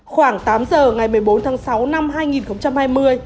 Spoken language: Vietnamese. khoảng tám giờ ngày một mươi bốn tháng sáu năm hai nghìn hai mươi